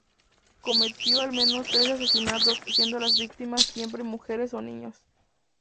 Cometió al menos trece asesinatos, siendo las víctimas siempre mujeres o niños.